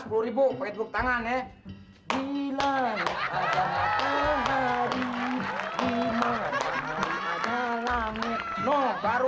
pakai tubuh tangan ya bilang ada apa hari di malam ada lamit no baru sepuluh